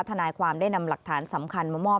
ทนายความได้นำหลักฐานสำคัญมามอบ